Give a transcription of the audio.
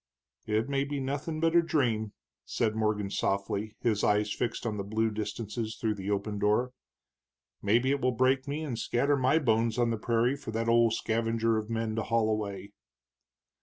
"It may be nothing but a dream," said Morgan softly, his eyes fixed on the blue distances through the open door. "Maybe it will break me and scatter my bones on the prairie for that old scavenger of men to haul away."